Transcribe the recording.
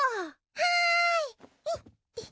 はい！